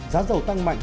giá dầu tăng mạnh